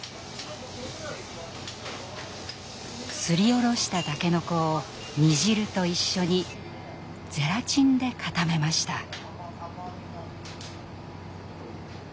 すりおろしたたけのこを煮汁と一緒にゼラチンで固めました。